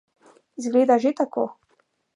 Izgleda že tako.